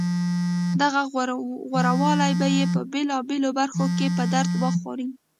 دغه غورهوالی به یې په بېلابېلو برخو کې په درد وخوري